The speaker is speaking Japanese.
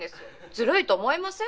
ずるいと思いません？